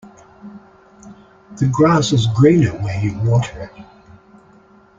The grass is greener where you water it.